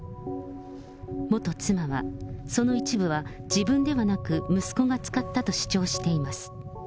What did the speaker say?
元妻は、その一部は自分ではなく息子が使ったと主張しています。